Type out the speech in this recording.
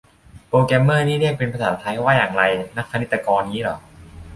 โปรแกรมเมอร์นี่เรียกเป็นภาษาไทยว่าอย่างไร นักคณิตกร งี้เหรอ